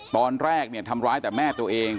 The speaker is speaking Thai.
ตอนแรกเนี่ยทำร้ายแต่แม่ตัวเอง